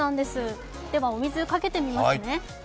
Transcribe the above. では、お水をかけてみますね。